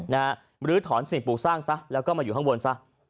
หรือถอนสิ่งปลูกสร้างซะแล้วก็มาอยู่ข้างบนซะ